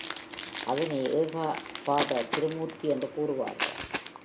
அதனையே ஏகபாத திரிமூர்த்தி என்று கூறுவார்கள்.